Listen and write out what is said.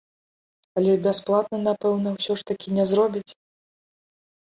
Але бясплатна, напэўна, ўсё ж такі не зробяць?